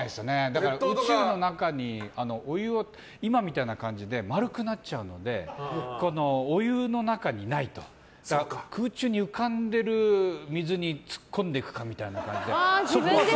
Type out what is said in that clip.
だから宇宙の中にお湯を今みたいな感じで丸くなっちゃうのでお湯の中にないと空中に浮かんでる水に突っ込んでいくかみたいな感じで。